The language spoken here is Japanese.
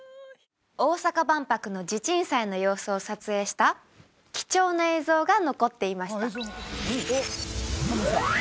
大阪万博の地鎮祭の様子を撮影した貴重な映像が残っていました